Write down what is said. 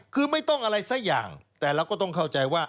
คือไม่ต้องอะไรสักอย่างแต่เราก็ต้องเข้าใจว่า